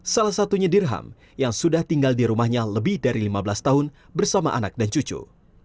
salah satunya dirham yang sudah tinggal di rumahnya lebih dari lima belas tahun bersama anak dan cucu